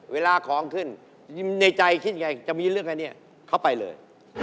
เวลาของขึ้นในใจคิดยังไงจะมีเรื่องอันนี้เขาไปเลย